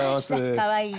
かわいい？